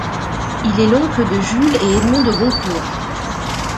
Il est l'oncle de Jules et Edmond de Goncourt.